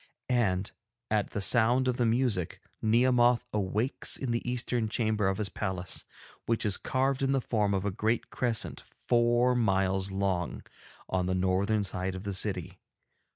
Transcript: And, at the sound of the music, Nehemoth awakes in the eastern chamber of his palace, which is carved in the form of a great crescent, four miles long, on the northern side of the city.